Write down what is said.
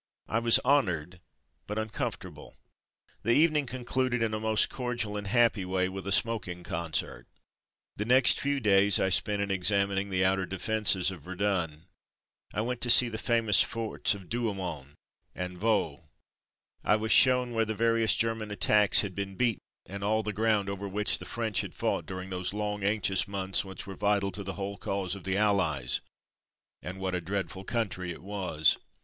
I was honoured, but uncomfortable. The evening concluded in a most cordial and happy way with a smoking concert. The next few days I spent in examining the outer defences of Verdun. I went to see the famous forts of Douaumont and Vaux. I was shown where the various German attacks had been beaten, and all the ground over which the French had fought during those long anxious months which were vital to the whole cause of the Allies. And what a dreadful country it was